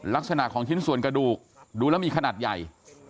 ลักษณะของชิ้นส่วนกระดูกดูแล้วมีขนาดใหญ่